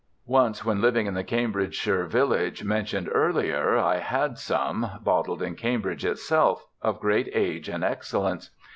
Once when living in the Cambridgeshire village mentioned earlier I had some, bottled in Cambridge itself, of great age and excellence.